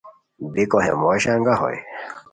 بیکو ہے موش انگاہ ہوئے